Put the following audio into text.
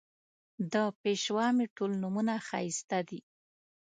د پېشوا مې ټول نومونه ښایسته دي